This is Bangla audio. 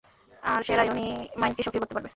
আর সেটা ইউনি-মাইন্ডকে সক্রিয় করতে পারে।